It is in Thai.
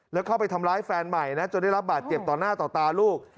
แล้วเข้าไปทำร้ายแฟนใหม่นะจนได้รับบาดเจ็บต่อหน้าต่อตาลูก